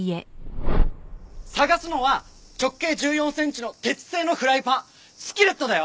捜すのは直径１４センチの鉄製のフライパンスキレットだよ！